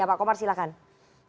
pak komar silakan